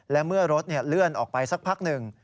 และเมื่อรถเลื่อนออกไปสักพักหนึ่ง